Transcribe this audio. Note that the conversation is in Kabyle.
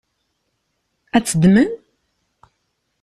Ad tt-ddmen?